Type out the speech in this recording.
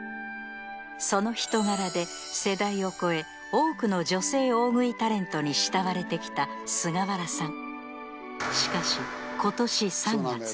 その人柄で世代を超え多くの女性大食いタレントに慕われてきた菅原さん